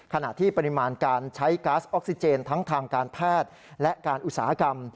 ขณะที่ปริมาณการใช้ก๊าซออกซิเจนทั้งทางการแพทย์และการอุตสาหกรรม